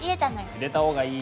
入れた方がいい。